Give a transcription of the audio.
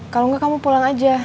kalo gak kamu pulang aja